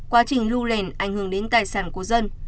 quá trình lưu lèn ảnh hưởng đến tài sản của dân